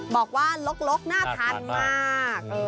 บอกว่าลกน่าทานมาก